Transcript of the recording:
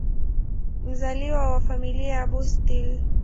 Mzaliwa wa Familia ya Bustill.